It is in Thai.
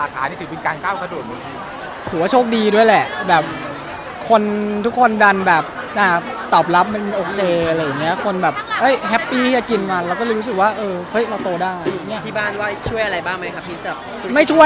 ก็เราเองก็เดินชรานอยู่และก็ยังรู้สึกตรงกลุ่มอยู่